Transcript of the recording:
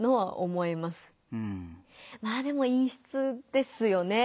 まぁでも陰湿ですよね。